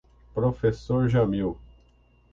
Professor Jamil